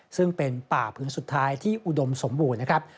ซึ่งเป็นป่าพื้นสุดท้ายที่อุดมสมบูรณ์นะครับ